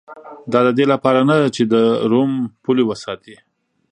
دا د دې لپاره نه چې د روم پولې وساتي